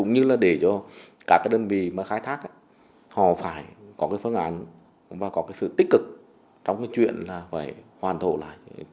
như là để cho các cái đơn vị mà khai thác họ phải có cái phương án và có cái sự tích cực trong cái chuyện là phải hoàn thổ lại